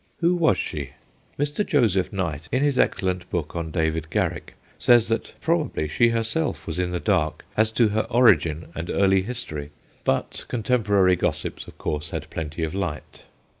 Who was she ? Mr. Joseph Knight, in his excellent book on David Garrick, says that probably she herself was in the dark as to her origin and early history. But 118 THE GHOSTS OF PICCADILLY contemporary gossips, of course, had plenty of light.